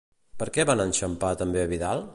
Per què van enxampar també a Vidal?